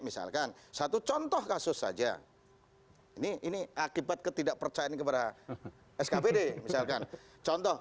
misalkan satu contoh kasus saja ini akibat ketidakpercayaan kepada skpd misalkan contoh